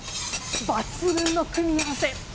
抜群の組み合わせ！